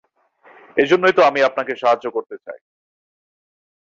এজন্যই তো আমি আপনাকে সাহায্য করতে চাই।